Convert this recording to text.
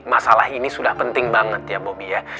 masalah ini sudah penting banget ya bobi ya